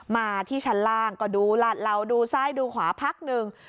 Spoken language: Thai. มาที่ชั้นล่างก็ดูลาดเหล่าดูซ้ายดูขวาพักหนึ่ง